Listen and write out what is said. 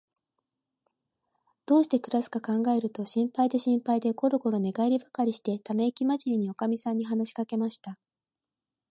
どうしてくらすかかんがえると、心配で心配で、ごろごろ寝がえりばかりして、ためいきまじりに、おかみさんに話しかけました。